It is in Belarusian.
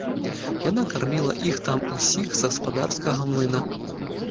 Яна карміла іх там усіх з гаспадарскага млына.